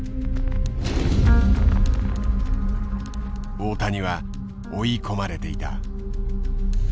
大谷は追い込まれていた。